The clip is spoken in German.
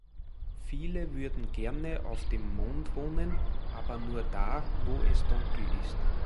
Viele würden gerne auf dem Mond wohnen, aber nur da wo es dunkel ist.